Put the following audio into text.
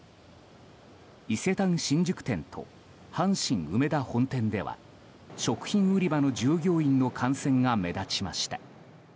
伊勢丹新宿店と阪神梅田本店では食品売り場の従業員の感染が目立ちました。